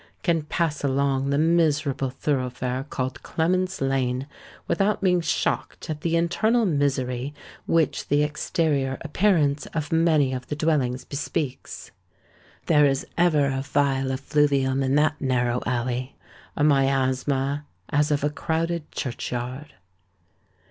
—can pass along the miserable thoroughfare called Clements' Lane without being shocked at the internal misery which the exterior appearance of many of the dwellings bespeaks. There is ever a vile effluvium in that narrow alley—a miasma as of a crowded churchyard!